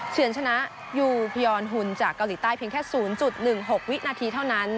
เฉินชนะยูพยอนหุ่นจากเกาหลีใต้เพียงแค่๐๑๖วินาทีเท่านั้น